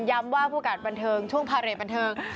ย้ำว่าผู้ประกาศบันเทิงช่วงภาเรศบันเทิง